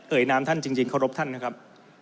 เอ่ยนามท่านจริงขอรบท่านนะครับ